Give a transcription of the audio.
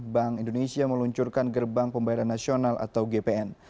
bank indonesia meluncurkan gerbang pembayaran nasional atau gpn